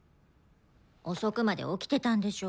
遅くまで起きてたんでしょ。